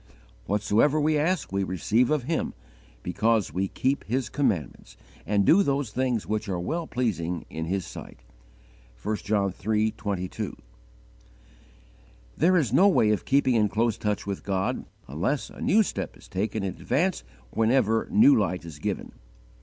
"Whatsoever we ask we receive of Him, because we keep His commandments, and do those things which are well pleasing in His sight." (1 John iii. 22.) There is no way of keeping in close touch with God unless a new step is taken in advance whenever new light is given.